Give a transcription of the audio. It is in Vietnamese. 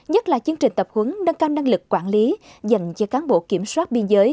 nhất là chương trình tập huấn nâng cao năng lực quản lý dành cho cán bộ kiểm soát biên giới